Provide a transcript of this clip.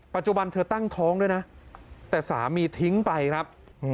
ปัจจุบันเธอตั้งท้องด้วยนะแต่สามีทิ้งไปครับ